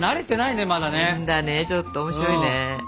ちょっと面白いね。